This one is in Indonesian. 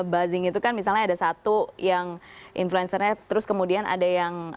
buzzing itu kan misalnya ada satu yang influencernya terus kemudian ada yang yang berada di luar